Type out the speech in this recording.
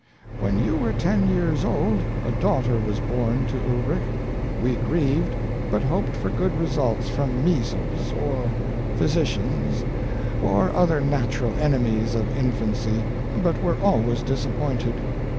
"When you were ten years old, a daughter was born to Ulrich. We grieved, but hoped for good results from measles, or physicians, or other natural enemies of infancy, but were always disappointed.